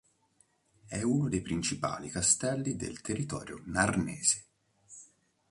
È uno dei principali castelli del territorio narnese.